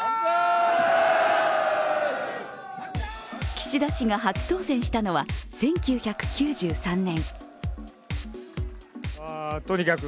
岸田氏が初当選したのは１９９３年。